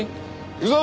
行くぞ！